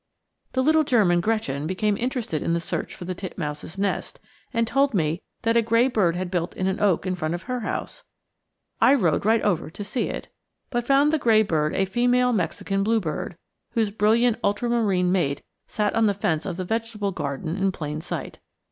The little German Gretchen became interested in the search for the titmouse's nest, and told me that a gray bird had built in an oak in front of her house. I rode right over to see it, but found the gray bird a female Mexican bluebird, whose brilliant ultramarine mate sat on the fence of the vegetable garden in plain sight.